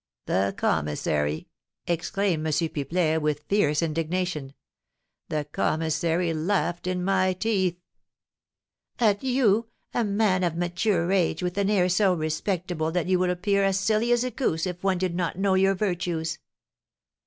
"The commissary," exclaimed M. Pipelet, with fierce indignation, "the commissary laughed in my teeth!" "At you, a man of mature age, with an air so respectable that you would appear as silly as a goose if one did not know your virtues?"